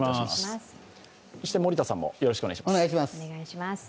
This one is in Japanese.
そして森田さんもよろしくお願いします。